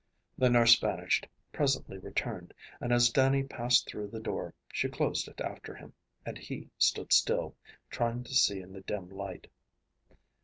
The nurse vanished, presently returned, and as Dannie passed through the door, she closed it after him, and he stood still, trying to see in the dim light.